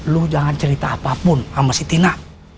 lu jangan cerita apapun sama si tina